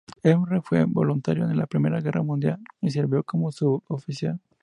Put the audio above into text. Ehrenberg fue voluntario en la Primera Guerra Mundial y sirvió como suboficial.